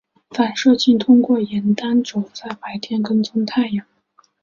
反射镜通过沿单轴在白天跟踪太阳。